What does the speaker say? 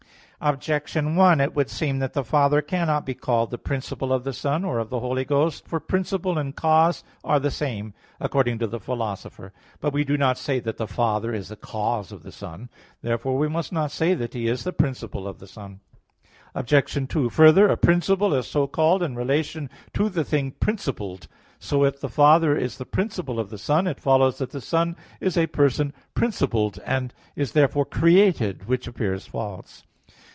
Objection 1: It would seem that the Father cannot be called the principle of the Son, or of the Holy Ghost. For principle and cause are the same, according to the Philosopher (Metaph. iv). But we do not say that the Father is the cause of the Son. Therefore we must not say that He is the principle of the Son. Obj. 2: Further, a principle is so called in relation to the thing principled. So if the Father is the principle of the Son, it follows that the Son is a person principled, and is therefore created; which appears false.